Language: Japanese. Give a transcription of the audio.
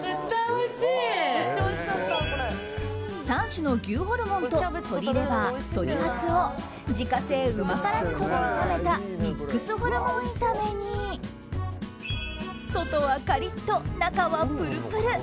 ３種の牛ホルモンと鶏レバー、鶏ハツを自家製うま辛みそで炒めたミックスホルモン炒めに外はカリッと、中はプルプル！